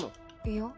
いや。